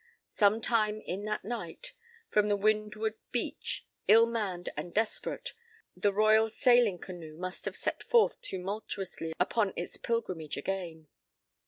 Some time in that night, from the windward beach, ill manned and desperate, the royal sailing canoe must have set forth tumultuously upon its pilgrimage again.